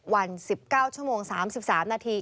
วัน๑๙ชั่วโมง๓๓นาที